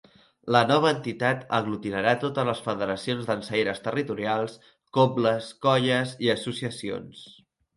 La nova entitat aglutinarà totes les federacions dansaires territorials, cobles, colles i associacions.